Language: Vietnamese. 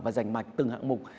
và giành mạch từng hạng mục